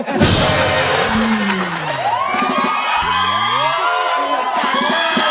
ดี